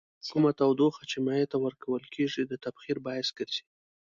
کومه تودوخه چې مایع ته ورکول کیږي د تبخیر باعث ګرځي.